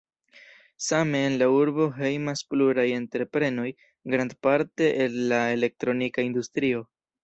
Same en la urbo hejmas pluraj entreprenoj, grandparte el la elektronika industrio.